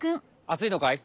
暑いのかい？